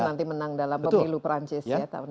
siapa tahu dia nanti menang dalam pemilu perancis ya tahun ini